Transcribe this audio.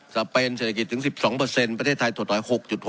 จะเป็นเศรษฐกิจถึง๑๒ประเทศไทยถดถอย๖๖